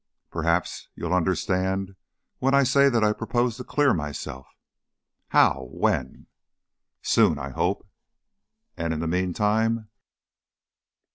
"Perhaps you'll understand when I say that I propose to clear myself." "How? When?" "Soon, I hope." "And in the meantime?"